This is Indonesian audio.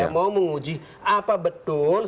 mau menguji apa betul